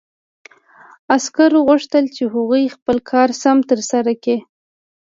عسکرو غوښتل چې هغوی خپل کار سم ترسره کړي